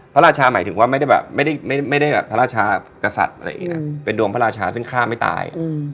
พระราชาหมายถึงว่าไม่ได้แบบพระราชากษัตริย์เป็นดวงพระราชาซึ่งฆ่าไม่ตาย